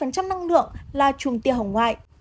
tám mươi năng lượng là trùng tiên hồng ngoại